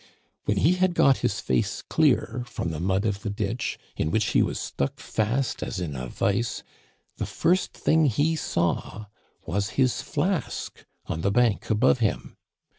When he had got his face clear from the mud of the ditch, in which he was stuck fast as in a vise, the first thing he saw was his flask on the bank above him.